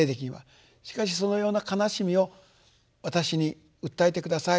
しかしそのような悲しみを私に訴えて下さいと。